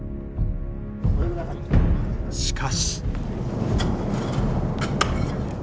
しかし。